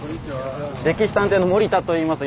「歴史探偵」の森田といいます。